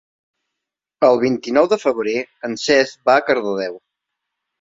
El vint-i-nou de febrer en Cesc va a Cardedeu.